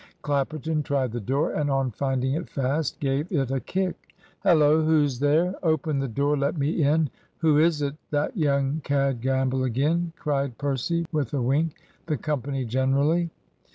Clapperton tried the door, and on finding it fast, gave it a kick. "Hello! who's there?" "Open the door; let me in!" "Who is it? that young cad Gamble again?" cried Percy, with a wink; the company generally.